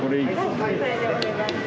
はいそれでお願いします。